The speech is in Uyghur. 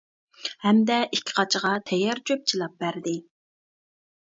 ھەمدە ئىككى قاچىغا تەييار چۆپ چىلاپ بەردى.